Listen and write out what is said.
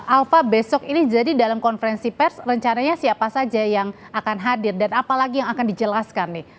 alfa besok ini jadi dalam konferensi pers rencananya siapa saja yang akan hadir dan apalagi yang akan dijelaskan nih